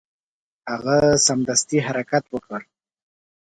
هغه سمدستي حرکت وکړ.